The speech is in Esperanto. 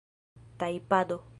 tajpado